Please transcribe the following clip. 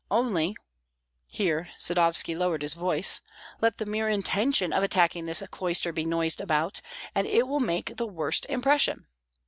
Only [here Sadovski lowered his voice] let the mere intention of attacking this cloister be noised about, and it will make the worst impression.